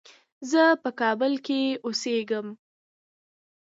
زه په کابل کې اوسېږم.